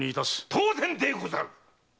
当然でござる！